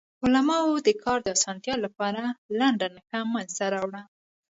علماوو د کار د اسانتیا لپاره لنډه نښه منځ ته راوړه.